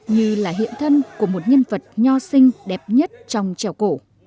như là hiện thân của một nhân vật nho sinhh đẹp nhất trong trèo cổ